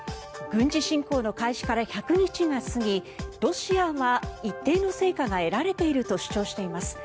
軍事侵攻の開始から１００日が過ぎロシアは一定の成果が得られていると主張しています。